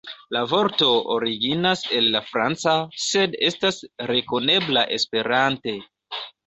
La vorto originas el la franca, sed estas rekonebla Esperante.